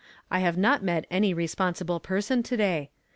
I have not met any responsible person to day.